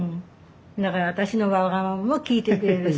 だから私のわがままも聞いてくれるし。